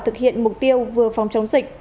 thực hiện mục tiêu vừa phòng chống dịch